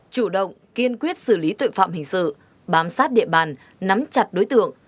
chủ động kiên quyết xử lý tội phạm hình sự bám sát địa bàn nắm chặt đối tượng